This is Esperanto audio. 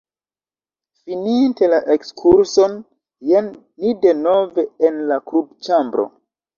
Fininte la ekskurson, jen ni denove en la klubĉambro.